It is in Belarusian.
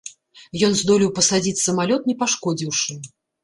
Ён здолеў пасадзіць самалёт не пашкодзіўшы.